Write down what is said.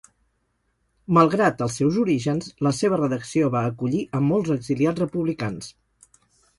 Malgrat els seus orígens, la seva redacció va acollir a molts exiliats republicans.